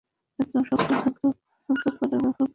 একদম শক্ত ধাতব হাতকড়া ব্যবহার করবেন।